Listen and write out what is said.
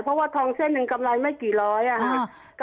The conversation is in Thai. เพราะว่าทองเส้นหนึ่งกำไรไม่กี่ร้อยอ่ะค่ะ